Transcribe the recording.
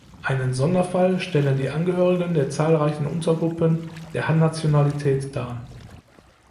Einen Sonderfall stellen die Angehörigen der zahlreichen Untergruppen der Han-Nationalität dar.